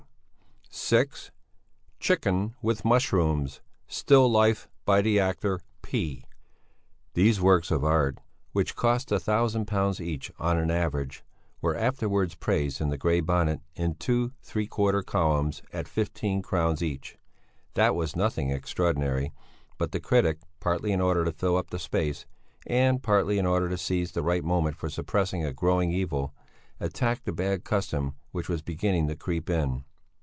(6) 'Chicken with Mushrooms,' still life by the actor P." These works of art, which cost a thousand pounds each on an average, were afterwards praised in the Grey Bonnet in two three quarter columns at fifteen crowns each; that was nothing extraordinary, but the critic, partly in order to fill up the space, and partly in order to seize the right moment for suppressing a growing evil, attacked a bad custom which was beginning to creep in.